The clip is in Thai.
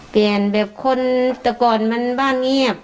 เปลี่ยนแบบคนแต่ก่อนมันบ้านเงียบ